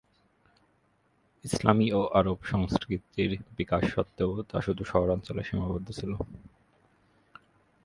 ইসলামি ও আরব সংস্কৃতির বিকাশ সত্ত্বেও তা শুধু শহরাঞ্চলে সীমাবদ্ধ ছিল।